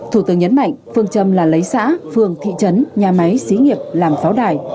thủ tướng nhấn mạnh phương châm là lấy xã phường thị trấn nhà máy xí nghiệp làm pháo đài